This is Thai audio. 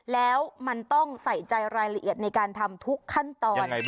แล้วมันต้องใส่ใจรายละเอียดในการทำทุกขั้นตอน